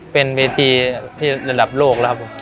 เป็นเวทีที่ระดับโลกแล้วครับผม